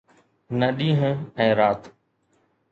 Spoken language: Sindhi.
نه ڏينهن ۽ رات